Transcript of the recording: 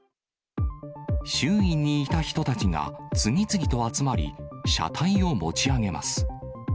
周囲にいた人たちが次々と集まり、車体を持ち上げます。